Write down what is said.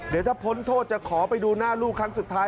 เดี๋ยวถ้าพ้นโทษจะขอไปดูหน้าลูกครั้งสุดท้าย